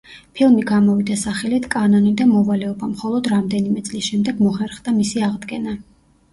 ფილმი გამოვიდა სახელით „კანონი და მოვალეობა“, მხოლოდ რამდენიმე წლის შემდეგ მოხერხდა მისი აღდგენა.